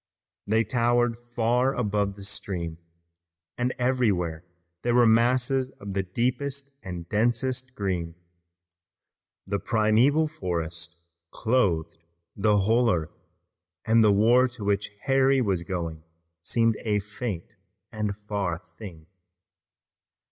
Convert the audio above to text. They towered far above the stream, and everywhere there were masses of the deepest and densest green. The primeval forest clothed the whole earth, and the war to which Harry was going seemed a faint and far thing.